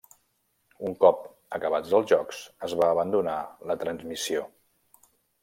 Un cop acabats els Jocs es va abandonar la transmissió.